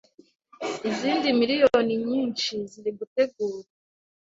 izindi miliyoni nyinshi ziri gutegurwa